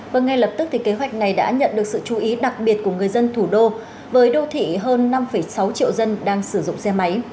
và ngay lập tức thì kế hoạch này đã nhận được sự chú ý đặc biệt của người dân thủ đô với đô thị hơn năm sáu triệu dân đang sử dụng xe máy